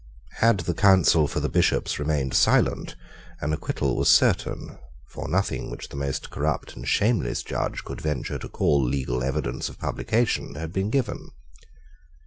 Had the counsel for the Bishops remained silent, an acquittal was certain; for nothing which the most corrupt and shameless judge could venture to call legal evidence of publication had been given.